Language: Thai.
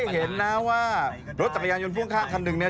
เห็นนะว่ารถจักรยานยนต์พ่วงข้างคันหนึ่งเนี่ย